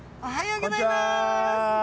おはようございます。